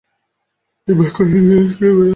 তিনি বাঁকুড়া জিলা স্কুলে বদলী হন।